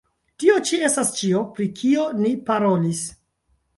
Tio ĉi estas ĉio, pri kio ni parolis.